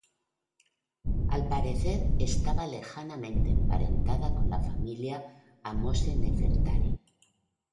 Al parecer, estaba lejanamente emparentada con la familia de Ahmose-Nefertari.